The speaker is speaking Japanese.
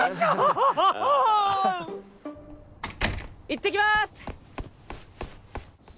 行ってきます！